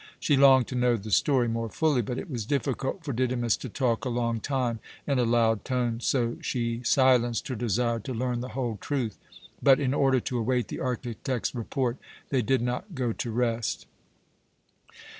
She longed to know the story more fully, but it was difficult for Didymus to talk a long time in a loud tone, so she silenced her desire to learn the whole truth. But, in order to await the architect's report, they did not go to rest.